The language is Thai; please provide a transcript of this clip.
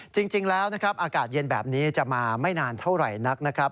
จริงแล้วนะครับอากาศเย็นแบบนี้จะมาไม่นานเท่าไหร่นักนะครับ